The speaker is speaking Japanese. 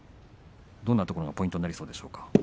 どんなところがポイントになりそうでしょうか。